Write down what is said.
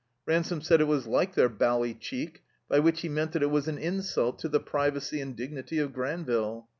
Rgmsome said it was ''like their bally chedc," by which he meant that it was an insult to the privacy and dignity of Granville.